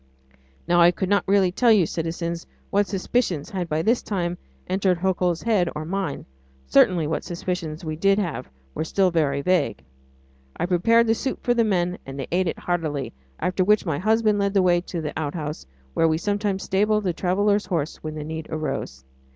Now I could not really tell you, citizens, what suspicions had by this time entered Hercule's head or mine; certainly what suspicions we did have were still very vague. I prepared the soup for the men and they ate it heartily, after which my husband led the way to the outhouse where we sometimes stabled a traveller's horse when the need arose.